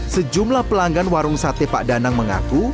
sejumlah pelanggan warung sate pak danang mengaku